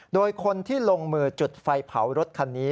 โดยคนที่ลงมือจุดไฟเผารถคันนี้